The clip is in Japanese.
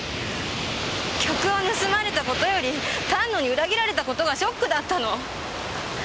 曲を盗まれた事より丹野に裏切られた事がショックだったの。